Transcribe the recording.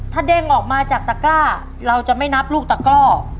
ถ้าเด้งออกมาจากตะกร้าเราจะไม่นับลูกตะกร่อ